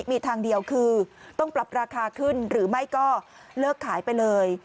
มีทางเดียวคือต้องปรับราคาขึ้นหรือไม่ก็เลิกขายไปเลย